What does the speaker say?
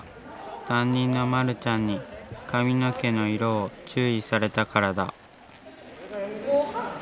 担任のまるちゃんに髪の毛の色を注意されたからだ。